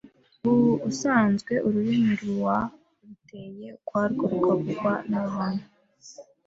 Uusanzwe ururimi rua ruteye ukwarwo rukavugwa n’antu